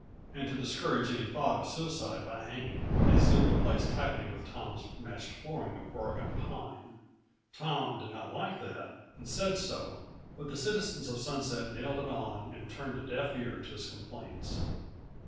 And to discourage any thought of suicide by hanging, they ceiled the place tightly with Tom's matched flooring of Oregon pine. Tom did not like that, and said so; but the citizens of Sunset nailed it on and turned a deaf ear to his complaints.